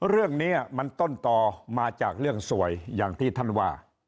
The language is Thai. เรื่องนี้มันต้นต่อมาจากเรื่องสวยอย่างที่ท่านว่า